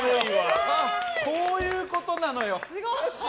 こういうことなのよ。